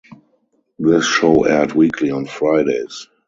This show aired weekly on Fridays.